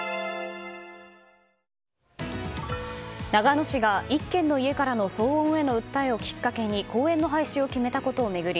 長野市が１軒の家からの騒音の訴えをきっかけに公園の廃止を決めたことを巡り